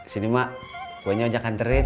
sini mak kuenya ojek anterin